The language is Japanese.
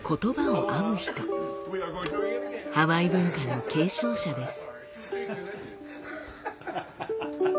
ハワイ文化の継承者です。